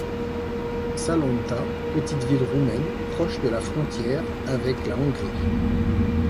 Salonta, petite ville roumaine proche de la frontière avec la Hongrie.